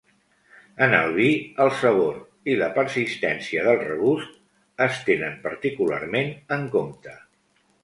En el vi el sabor i la persistència del regust es tenen particularment en compte.